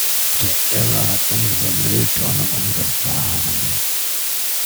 Der Irre hat unsere Mülltonne umgefahren!